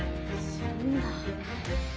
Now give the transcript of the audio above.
そんな。